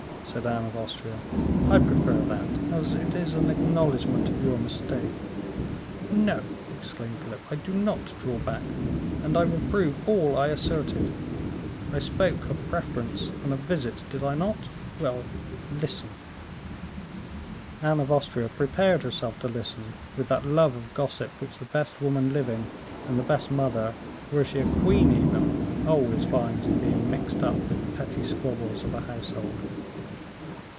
said Anne of Austria. "I prefer that, as it is an acknowledgement of your mistake." "No!" exclaimed Philip, "I do not draw back, and I will prove all I asserted. I spoke of preference and of visits, did I not? Well, listen." Anne of Austria prepared herself to listen, with that love of gossip which the best woman living and the best mother, were she a queen even, always finds in being mixed up with the petty squabbles of a household.